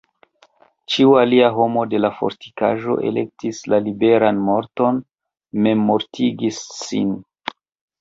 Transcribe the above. Ĉiu alia homo de la fortikaĵo elektis la liberan morton, memmortigis sin.